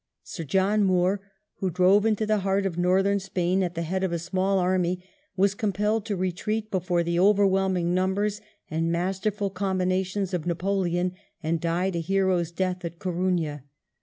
Sir John Moore, who drove into the heart of northern Spain at the head of a small army, was compelled to retreat before the overwhelming numbers and masterful combinations of Napoleon, and died a hero's death at Coruna.